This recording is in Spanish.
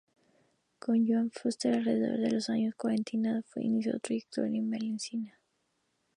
Con Joan Fuster, alrededor de los años cuarenta, inició su trayectoria valencianista.